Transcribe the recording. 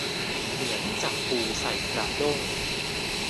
เหมือนจับปูใส่กระด้ง